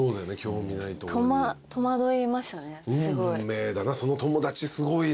運命だなその友達すごいな。